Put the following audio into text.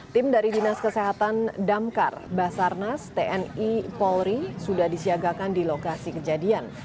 tim dari dinas kesehatan damkar basarnas tni polri sudah disiagakan di lokasi kejadian